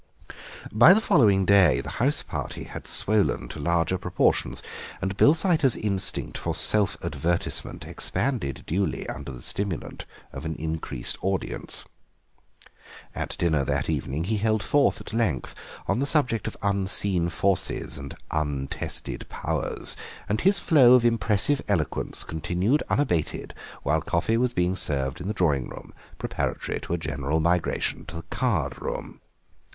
By the following day the house party had swollen to larger proportions, and Bilsiter's instinct for self advertisement expanded duly under the stimulant of an increased audience. At dinner that evening he held forth at length on the subject of unseen forces and untested powers, and his flow of impressive eloquence continued unabated while coffee was being served in the drawing room preparatory to a general migration to the card room.